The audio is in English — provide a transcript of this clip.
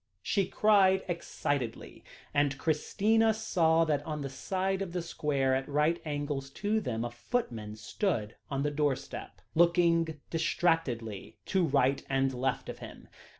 she cried excitedly, and Christina saw that on the side of the square at right angles to them, a footman stood on the doorstep, looking distractedly to right and left of him.